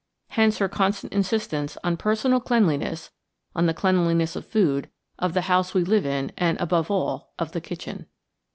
Hence her constant insistence on personal cleanliness, on the cleanliness of food, of the house we live in, and, above all, of the kitchen.